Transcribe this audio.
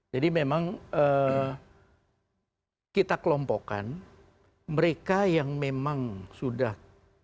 jadi memang kita kelompokkan mereka yang memang sudah radikal dari awal